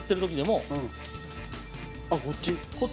蛍原：あっ、こっち？